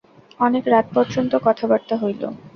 অনেক রাত পর্যন্ত কথাবার্তা হইল।